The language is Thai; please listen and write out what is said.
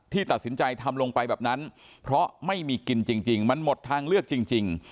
ตัดสินใจทำลงไปแบบนั้นเพราะไม่มีกินจริงมันหมดทางเลือกจริง